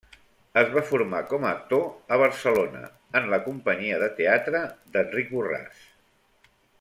Es va formar com a actor a Barcelona, en la companyia de teatre d'Enric Borràs.